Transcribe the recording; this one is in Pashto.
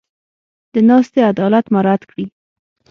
د ناستې عدالت مراعت کړي.